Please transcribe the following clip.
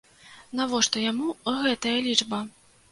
Навошта яму гэтая лічба?